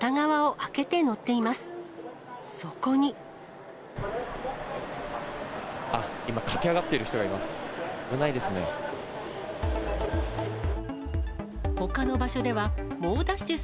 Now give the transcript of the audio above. あっ、今、駆け上がっている人がいます。